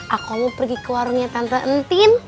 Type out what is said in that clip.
aku mau pergi ke warungnya tanpa entin